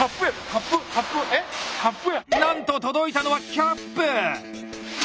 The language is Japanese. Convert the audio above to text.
なんと届いたのはキャップ。